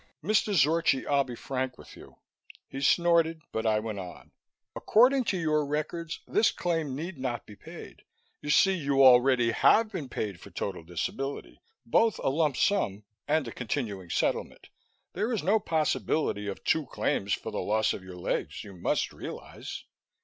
"Mr. Zorchi, I'll be frank with you." He snorted, but I went on, "According to your records, this claim need not be paid. You see, you already have been paid for total disability, both a lump sum and a continuing settlement. There is no possibility of two claims for the loss of your legs, you must realize."